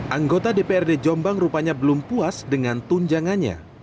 anggota dprd jombang rupanya belum puas dengan tunjangannya